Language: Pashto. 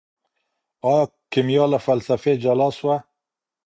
ايا کيميا له فلسفې جلا سوه؟